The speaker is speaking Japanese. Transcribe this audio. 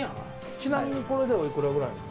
ちなみにこれでおいくらなんですか？